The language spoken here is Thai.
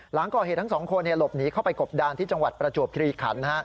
หลังก่อเหตุทั้งสองคนหลบหนีเข้าไปกบดานที่จังหวัดประจวบคลีขัน